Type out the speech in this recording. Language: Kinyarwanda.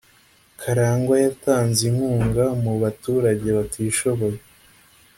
Karangwa yatanze inkunga mubaturage batishoboye